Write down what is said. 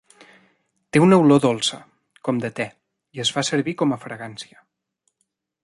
Té una olor dolça, com de te, i es fa servir com a fragància.